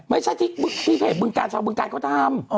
ไม่ใช่ที่เพจบึงการเขาทำ